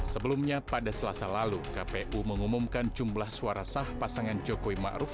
sebelumnya pada selasa lalu kpu mengumumkan jumlah suara sah pasangan jokowi ma'ruf